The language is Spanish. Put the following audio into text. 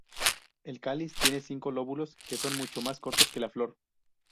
El cáliz tiene cinco lóbulos que son mucho más cortos que la flor.